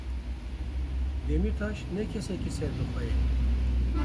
Demîrtaş ne kesekî serbixwe ye.